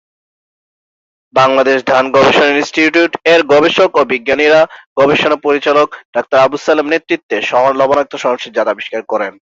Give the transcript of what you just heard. বাংলাদেশ ধান গবেষণা ইনস্টিটিউট এর গবেষক ও বিজ্ঞানীরা গবেষণা পরিচালক ডাক্তার আব্দুস সালাম নেতৃত্বে লবণাক্ত সহনশীল জাত আবিষ্কার করেন।